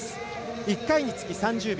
１回につき３０秒。